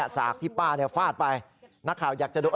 สากที่ป้าฟาดไปนักข่าวอยากจะดู